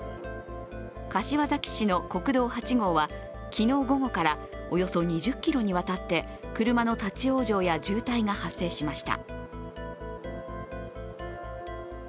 柏崎市の国道８号は、昨日午後からおよそ２０ｋｍにわたって車の立往生や渋滞が発生しました。